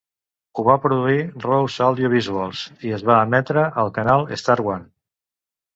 Ho va produir Rose Audio Visuals i es va emetre al canal Star One.